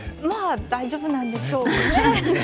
まあ、大丈夫なんでしょうね。